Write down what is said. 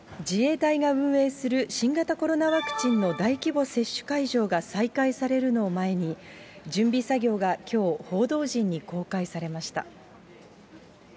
自衛隊が運営する新型コロナワクチンの大規模接種会場が再開されるのを前に、準備作業がきょう、報道陣に公開されました。